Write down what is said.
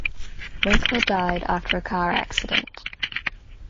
Winkler died after a car accident.